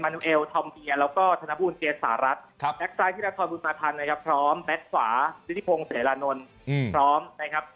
แปลกซ้ายที่รัฐธรรมบุญมาธรรมนะครับแปลกฝาศิริพงศ์เสรารณนทร์พร้อมนะครับ